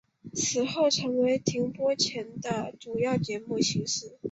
此后成为停播前的主要节目形式。